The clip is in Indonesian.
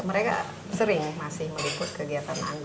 mereka sering masih meliput kegiatan anggun